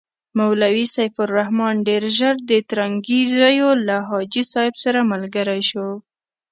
مولوي سیف الرحمن ډېر ژر د ترنګزیو له حاجي صاحب سره ملګری شو.